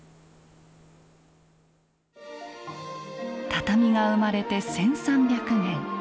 畳が生まれて１，３００年。